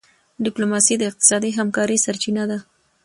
ډيپلوماسي د اقتصادي همکارۍ سرچینه ده.